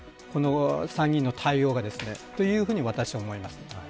参議院の対応がですねというふうに私は思います。